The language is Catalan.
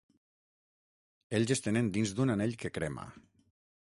Ells es tenen dins d’un anell que crema.